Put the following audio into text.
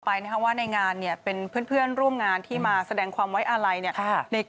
ต่อไปนะครับว่าในงานเนี่ยเป็นเพื่อนร่วมงานที่มาแสดงความไว้อะไรเนี่ย